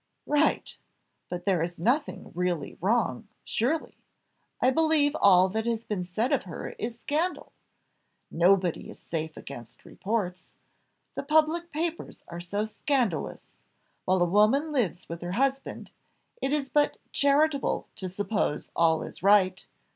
"Right, but there is nothing really wrong, surely; I believe all that has been said of her is scandal. Nobody is safe against reports the public papers are so scandalous! While a woman lives with her husband, it is but charitable to suppose all is right.